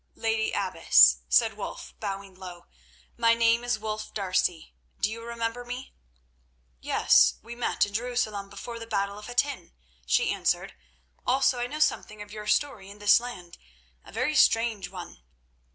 "Lady Abbess," said Wulf, bowing low, "my name is Wulf D'Arcy. Do you remember me?" "Yes. We met in Jerusalem—before the battle of Hattin," she answered. "Also I know something of your story in this land—a very strange one."